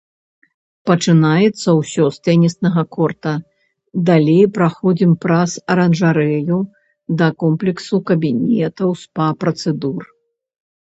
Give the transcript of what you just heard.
Пачынаецца ўсё з тэніснага корта, далей праходзім праз аранжарэю да комплексу кабінетаў спа-працэдур.